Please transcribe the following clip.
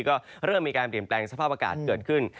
ก็เริ่มมีการเปลี่ยนแปลงสภาพอากาศเกิดขึ้น